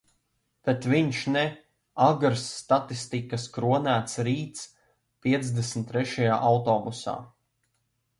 Bet viņš ne. Agrs, statistikas kronēts rīts piecdesmit trešajā autobusā.